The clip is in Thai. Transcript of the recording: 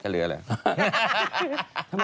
ก็เหลือแหละ